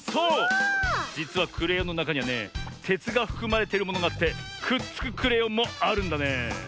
じつはクレヨンのなかにはねてつがふくまれてるものがあってくっつくクレヨンもあるんだね。